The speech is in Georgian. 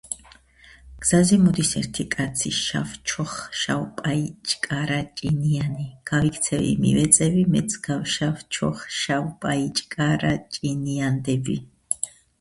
გზაზე მოდის ერთი კაცი შავჩოხშავპაიჭკარაჭინიანი გავიქცევი მივეწევი მეც გავშავჩოხშავპაიჭკარაჭინიანდები